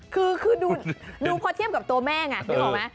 คือดูพอเทียบกับตัวแม่ไงนึกออกไหม